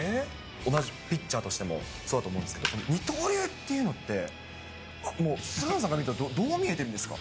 同じピッチャーとしてもそうだと思うんですけど、二刀流っていうのって、菅野さんから見たらどう見えてるんですか？